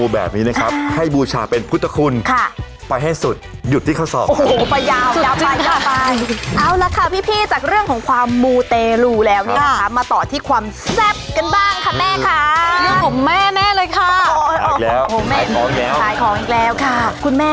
แบบนี้นะครับให้บูร์ชาเป็นพุทธคุณ